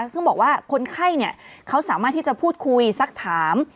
ซึ่งบอกว่าคนไข้เขาสามารถที่จะพูดคุยสักถาม